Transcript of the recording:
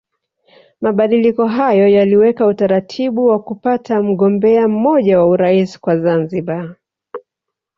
Mabadiliko hayo yaliweka utaratibu wa kupata mgombea mmoja wa Urais kwa Zanzibar